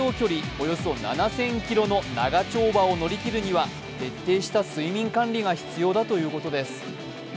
およそ７０００ｋｍの長丁場を乗り切るには徹底した睡眠管理が必要だということです。